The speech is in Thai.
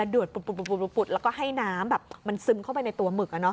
เดือดปุดแล้วก็ให้น้ำแบบมันซึมเข้าไปในตัวหมึก